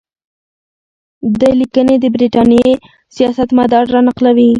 دې لیکنې د برټانیې سیاستمدار را نقلوي.